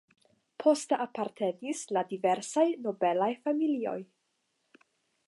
Poste apartenis al diversaj nobelaj familioj.